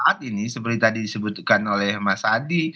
saat ini seperti tadi disebutkan oleh mas adi